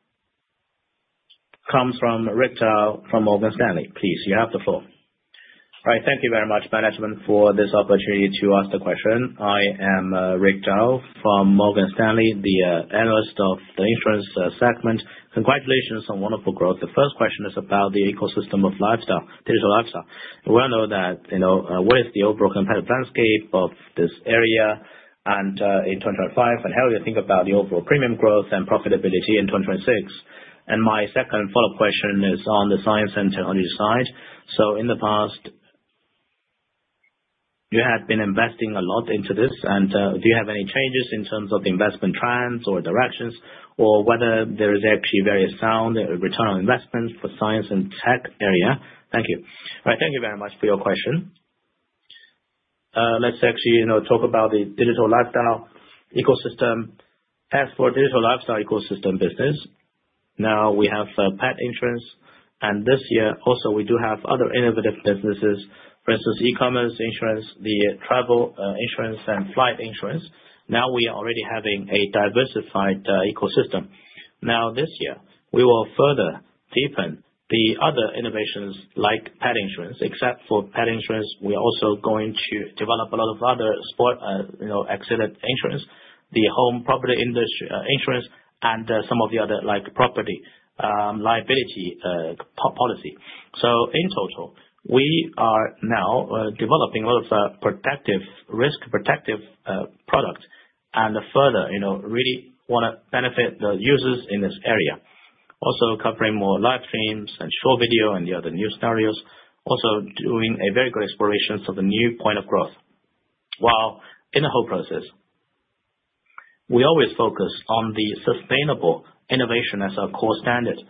comes from Rick Tao from Morgan Stanley. Please, you have the floor. All right. Thank you very much, management, for this opportunity to ask the question. I am Rick Tao from Morgan Stanley, the analyst of the insurance segment. Congratulations on wonderful growth. The first question is about the ecosystem of lifestyle, digital lifestyle. We all know that with the overall competitive landscape of this area, in 2025, and how we think about the overall premium growth and profitability in 2026. My second follow-up question is on the science center on your side. In the past, you have been investing a lot into this, and do you have any changes in terms of the investment trends or directions or whether there is actually very sound return on investment for science and tech area? Thank you. Right. Thank you very much for your question. Let's actually talk about the digital lifestyle ecosystem. As for digital lifestyle ecosystem business, now we have pet insurance, and this year also, we do have other innovative businesses. For instance, e-commerce insurance, the travel insurance, and flight insurance. Now we are already having a diversified ecosystem. This year, we will further deepen the other innovations like pet insurance. Except for pet insurance, we are also going to develop a lot of other sport accident insurance, the home property insurance, and some of the other like property liability policy. In total, we are now developing a lot of risk protective product and further really want to benefit the users in this area. Also covering more live streams and short video and the other new scenarios. Also doing a very good exploration for the new point of growth. While in the whole process, we always focus on the sustainable innovation as our core standard.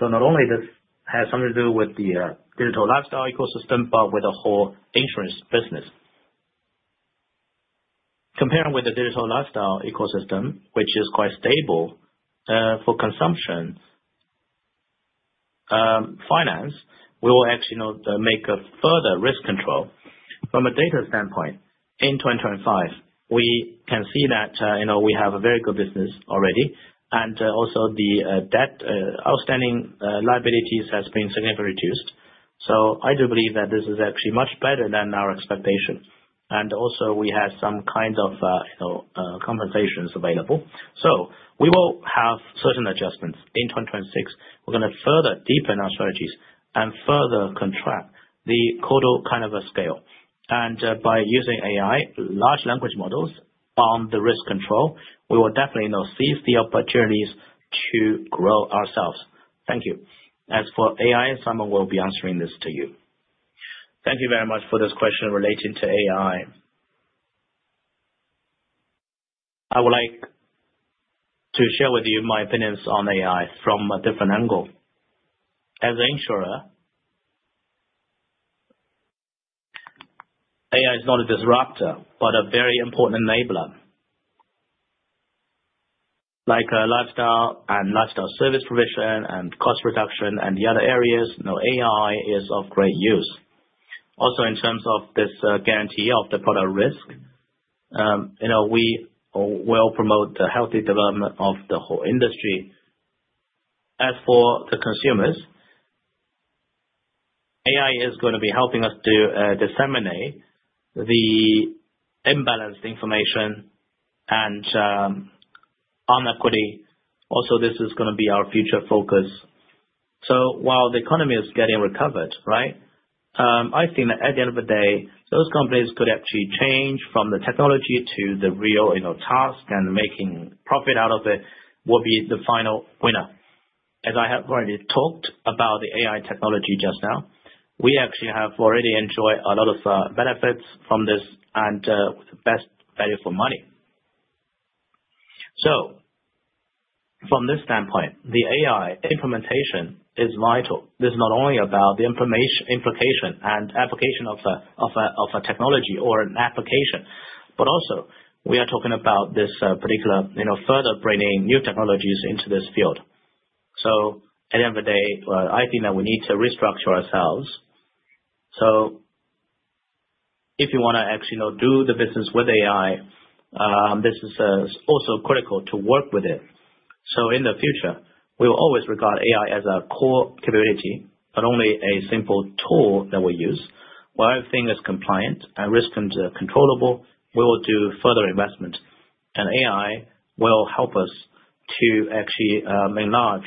Not only this has something to do with the digital lifestyle ecosystem, but with the whole insurance business. Comparing with the digital lifestyle ecosystem, which is quite stable for consumption. Finance will actually make a further risk control from a data standpoint in 2025. We can see that we have a very good business already, and also the outstanding liabilities has been significantly reduced. I do believe that this is actually much better than our expectation. Also we have some kinds of compensations available. We will have certain adjustments in 2026. We are going to further deepen our strategies and further contract the total scale. By using AI, large language models on the risk control, we will definitely now seize the opportunities to grow ourselves. Thank you. As for AI, someone will be answering this to you. Thank you very much for this question relating to AI. I would like to share with you my opinions on AI from a different angle. As an insurer, AI is not a disruptor, but a very important enabler. Like lifestyle and lifestyle service provision and cost reduction and the other areas, AI is of great use. In terms of this guarantee of the product risk, we will promote the healthy development of the whole industry. As for the consumers, AI is going to be helping us to disseminate the imbalanced information and inequity. This is going to be our future focus. While the economy is getting recovered, I think that at the end of the day, those companies could actually change from the technology to the real task and making profit out of it will be the final winner. As I have already talked about the AI technology just now, we actually have already enjoyed a lot of benefits from this, and the best value for money. From this standpoint, the AI implementation is vital. This is not only about the implication and application of a technology or an application, but also we are talking about this particular further bringing new technologies into this field. At the end of the day, I think that we need to restructure ourselves. If you want to actually do the business with AI, this is also critical to work with it. In the future, we will always regard AI as our core capability, but only a simple tool that we use. While everything is compliant and risk controllable, we will do further investment. AI will help us to actually enlarge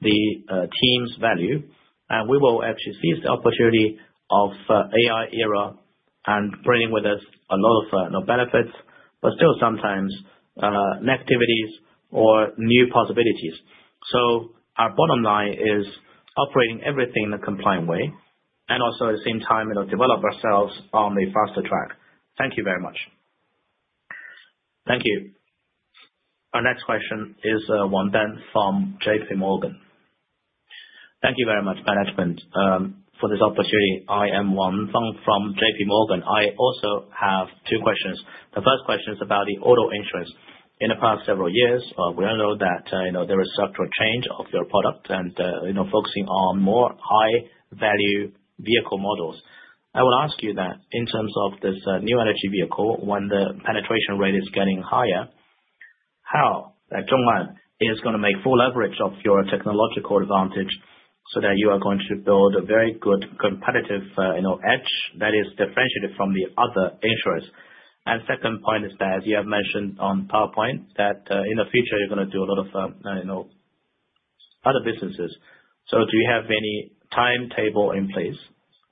the team's value, and we will actually seize the opportunity of AI era and bringing with us a lot of benefits, but still sometimes negativities or new possibilities. Our bottom line is operating everything in a compliant way, and also at the same time develop ourselves on a faster track. Thank you very much. Thank you. Our next question is from JP Morgan. Thank you very much, management, for this opportunity. I am Wan Fung from JP Morgan. I also have two questions. The first question is about the auto insurance. In the past several years, we all know that there is structural change of your product and focusing on more high-value vehicle models. I would ask you that in terms of this new energy vehicle, when the penetration rate is getting higher, how ZhongAn is going to make full leverage of your technological advantage so that you are going to build a very good competitive edge that is differentiated from the other insurers. Second point is that you have mentioned on PowerPoint that in the future, you're going to do a lot of other businesses. Do you have any timetable in place?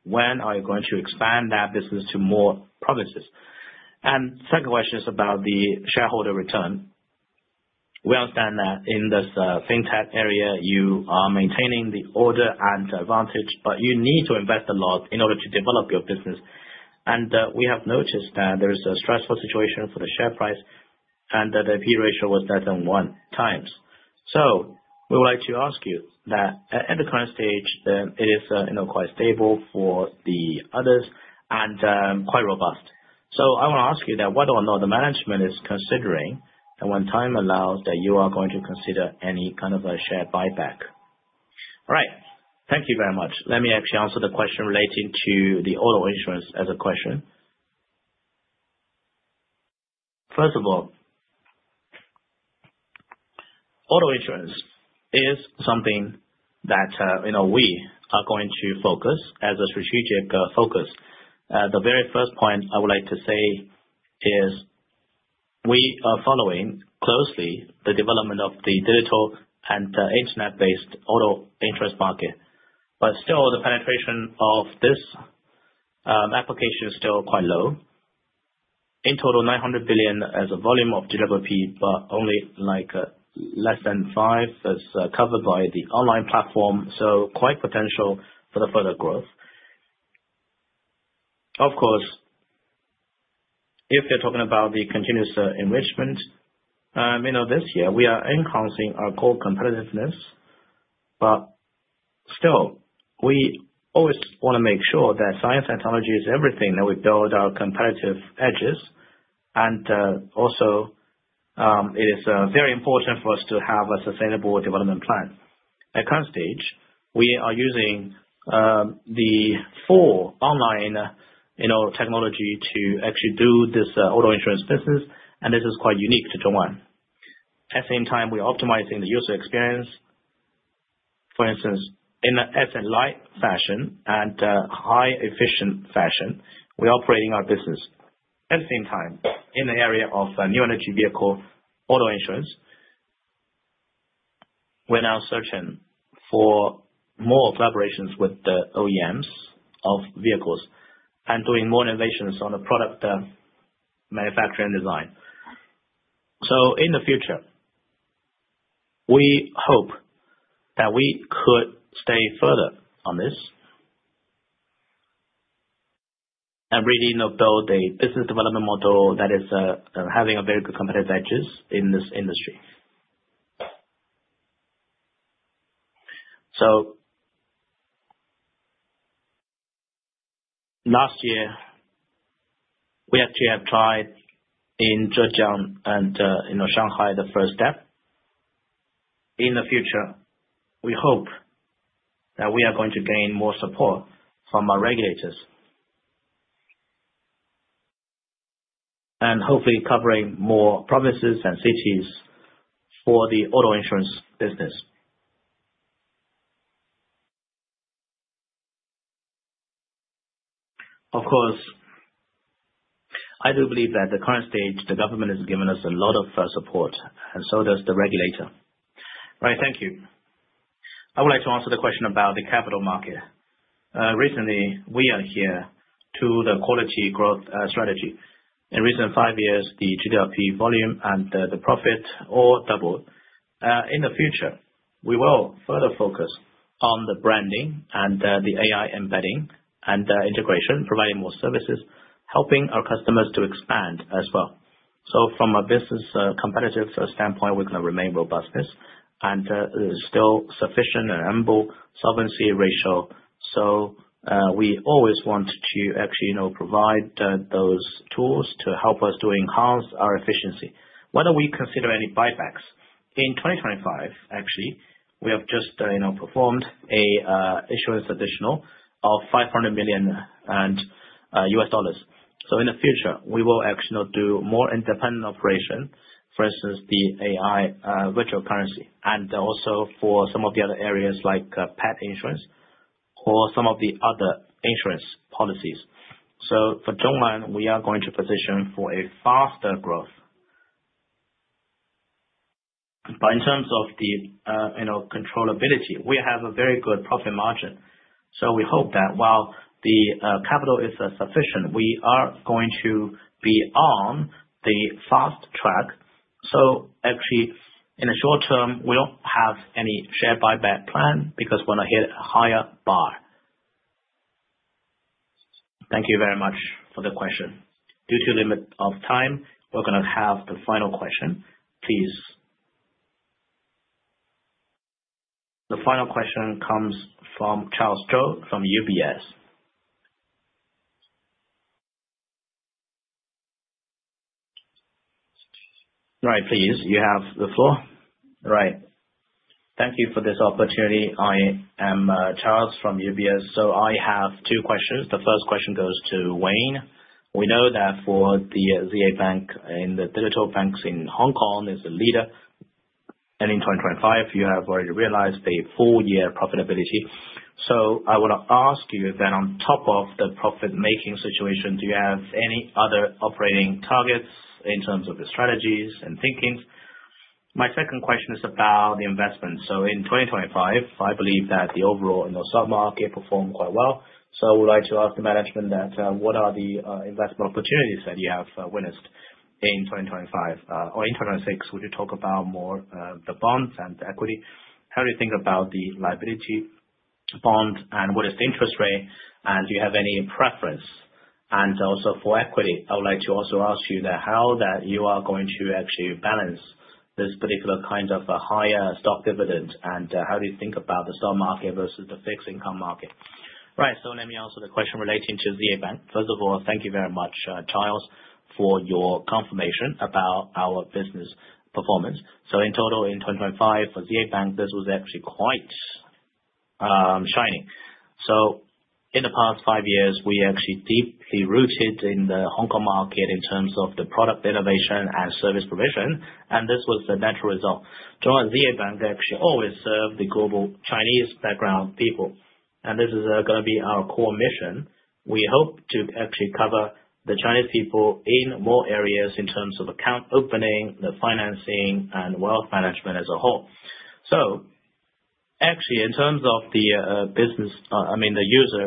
When are you going to expand that business to more provinces? Second question is about the shareholder return. We understand that in this fintech area, you are maintaining the order and advantage, but you need to invest a lot in order to develop your business. We have noticed that there is a stressful situation for the share price and that the P/E ratio was less than one times. We would like to ask you that at the current stage, it is quite stable for the others and quite robust. I want to ask you that whether or not the management is considering, and when time allows, that you are going to consider any kind of a share buyback? All right. Thank you very much. Let me actually answer the question relating to the auto insurance as a question. First of all, auto insurance is something that we are going to focus as a strategic focus. The very first point I would like to say is we are following closely the development of the digital and Internet-based auto insurance market. Still the penetration of this application is still quite low. In total, 900 billion as a volume of GWP, but only less than five that's covered by the online platform. Quite potential for the further growth. Of course, if you're talking about the continuous enrichment, this year we are enhancing our core competitiveness, still, we always want to make sure that science and technology is everything, that we build our competitive edges and also, it is very important for us to have a sustainable development plan. At current stage, we are using the four online technology to actually do this auto insurance business, and this is quite unique to ZhongAn. At the same time, we're optimizing the user experience. For instance, in a light fashion and high efficient fashion, we are operating our business. At the same time, in the area of new energy vehicle auto insurance, we're now searching for more collaborations with the OEMs of vehicles and doing more innovations on the product manufacturing design. In the future, we hope that we could stay further on this and really now build a business development model that is having a very good competitive edges in this industry. Last year, we actually have tried in Zhejiang and Shanghai, the first step. In the future, we hope that we are going to gain more support from our regulators. Hopefully covering more provinces and cities for the auto insurance business. Of course, I do believe that the current state, the government has given us a lot of support, and so does the regulator. Right. Thank you. I would like to answer the question about the capital market. Recently, we adhere to the quality growth strategy. In recent five years, the GWP volume and the profit all doubled. In the future, we will further focus on the branding and the AI embedding and integration, providing more services, helping our customers to expand as well. From a business competitive standpoint, we're going to remain robust business and still sufficient and ample solvency ratio. We always want to actually provide those tools to help us to enhance our efficiency. Whether we consider any buybacks? In 2025, actually, we have just performed an issuance additional of $500 million. In the future, we will actually now do more independent operation, for instance, the AI virtual currency, and also for some of the other areas like pet insurance or some of the other insurance policies. For ZhongAn, we are going to position for a faster growth. In terms of the controllability, we have a very good profit margin. We hope that while the capital is sufficient, we are going to be on the fast track. Actually, in the short term, we don't have any share buyback plan because we want to hit a higher bar. Thank you very much for the question. Due to limit of time, we are going to have the final question, please. The final question comes from Charles Zhou from UBS. Right. Please, you have the floor. Right. Thank you for this opportunity. I am Charles from UBS. I have two questions. The first question goes to Wayne. We know that for the ZA Bank and the digital banks in Hong Kong is the leader. In 2025, you have already realized a full year profitability. I want to ask you if on top of the profit-making situation, do you have any other operating targets in terms of the strategies and thinkings? My second question is about the investment. In 2025, I believe that the overall stock market performed quite well. I would like to ask the management that, what are the investment opportunities that you have witnessed in 2025 or in 2026? Would you talk about more the bonds and the equity? How do you think about the liability bond and what is the interest rate, and do you have any preference? Also for equity, I would like to also ask you that how that you are going to actually balance this particular kind of higher stock dividend, and how do you think about the stock market versus the fixed income market? Right. Let me answer the question relating to ZA Bank. First of all, thank you very much, Charles, for your confirmation about our business performance. In total, in 2025 for ZA Bank, this was actually quite shining. In the past five years, we actually deeply rooted in the Hong Kong market in terms of the product innovation and service provision, and this was the natural result. ZhongAn ZA Bank actually always served the global Chinese background people, and this is going to be our core mission. We hope to actually cover the Chinese people in more areas in terms of account opening, the financing, and wealth management as a whole. Actually, in terms of the user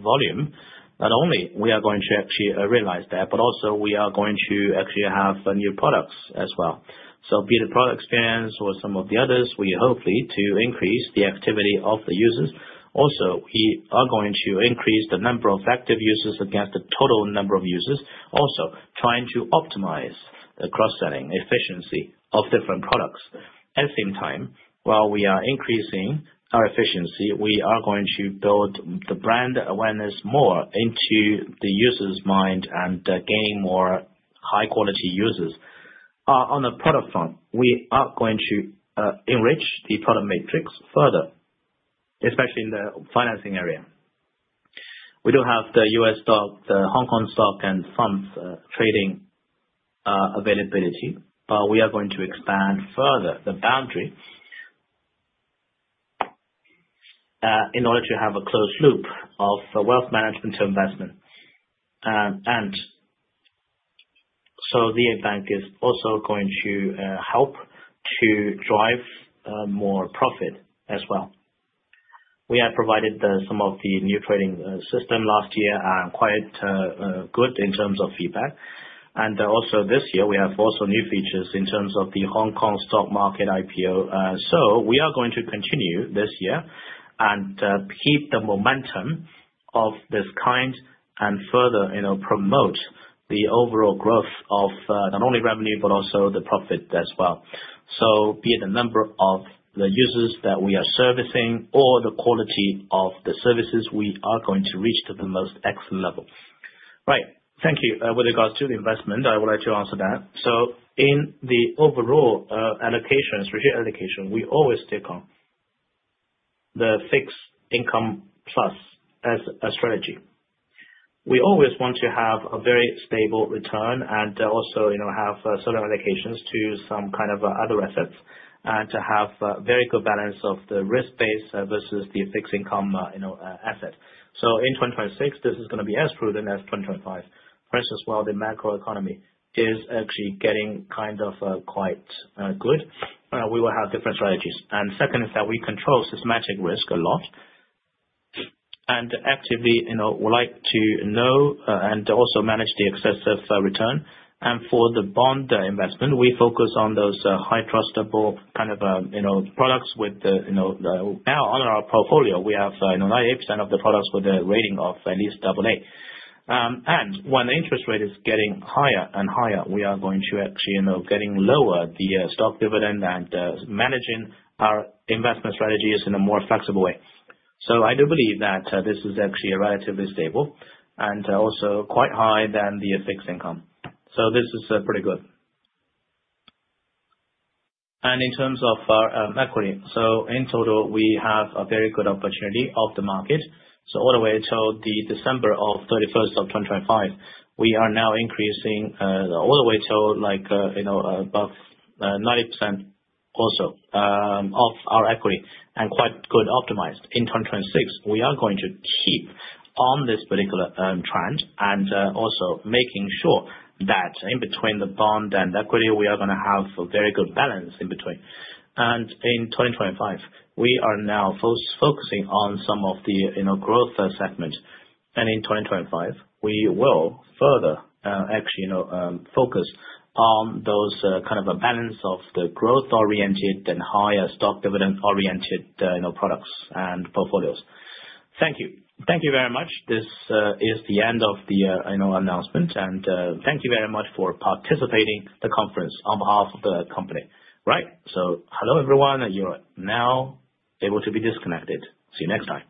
volume, not only we are going to actually realize that, but also we are going to actually have new products as well. Be it a product experience or some of the others, we hopefully to increase the activity of the users. Also, we are going to increase the number of active users against the total number of users, also trying to optimize the cross-selling efficiency of different products. At the same time, while we are increasing our efficiency, we are going to build the brand awareness more into the user's mind and gaining more high-quality users. On the product front, we are going to enrich the product matrix further, especially in the financing area. We do have the US stock, the Hong Kong stock, and funds trading availability. But we are going to expand further the boundary in order to have a closed loop of wealth management investment. The impact is also going to help to drive more profit as well. We have provided some of the new trading system last year, and quite good in terms of feedback. Also this year, we have also new features in terms of the Hong Kong Stock Market IPO. We are going to continue this year and keep the momentum of this kind and further promote the overall growth of not only revenue, but also the profit as well. Be it the number of the users that we are servicing or the quality of the services, we are going to reach to the most excellent level. Right. Thank you. With regards to the investment, I would like to answer that. In the overall allocations, strategic allocation, we always take on the fixed income plus as a strategy. We always want to have a very stable return and also have certain allocations to some kind of other assets, and to have very good balance of the risk-based versus the fixed income asset. In 2026, this is going to be as prudent as 2025. First as well, the macroeconomy is actually getting quite good. We will have different strategies. Second is that we control systematic risk a lot and actively would like to know and also manage the excessive return. For the bond investment, we focus on those high trustable products. Now on our portfolio, we have 98% of the products with a rating of at least double A. When interest rate is getting higher and higher, we are going to actually getting lower the stock dividend and managing our investment strategies in a more flexible way. I do believe that this is actually relatively stable and also quite high than the fixed income. This is pretty good. In terms of our equity, in total, we have a very good opportunity of the market. All the way till the December of 31st of 2025, we are now increasing all the way till above 90% also of our equity and quite good optimized. In 2026, we are going to keep on this particular trend and also making sure that in between the bond and equity, we are going to have a very good balance in between. In 2025, we are now focusing on some of the growth segments. In 2025, we will further actually focus on those balance of the growth-oriented and higher stock dividend-oriented products and portfolios. Thank you. Thank you very much. This is the end of the announcement. Thank you very much for participating the conference on behalf of the company. Right. Hello, everyone. You're now able to be disconnected. See you next time.